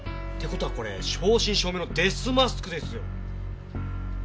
って事はこれ正真正銘のデスマスクですよ。